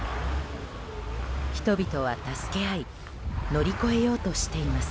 人々は助け合い乗り越えようとしています。